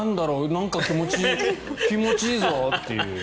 なんか気持ちいいぞっていう。